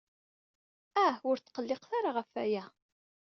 Ah, ur tqelliqet ara ɣef waya.